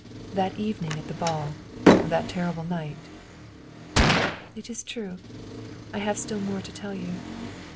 That evening at the ball, that terrible night? "" It is true, I have still more to tell you.